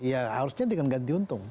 ya harusnya dengan ganti untung